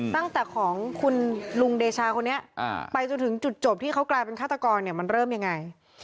ตั้งแต่ของคุณลุงเดชาคนนี้ไปจนถึงจุดจบที่เขากลายเป็นฆาตกรมันเริ่มยังไง